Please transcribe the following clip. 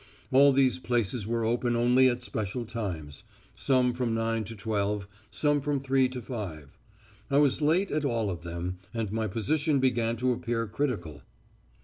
All these places were open only at special times: some from nine to twelve, some from three to five. I was late at all of them, and my position began to appear critical.